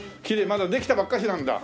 まだできたばっかしなんだ。